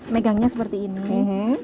megangnya seperti ini